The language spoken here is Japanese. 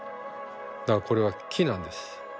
だからこれは木なんです。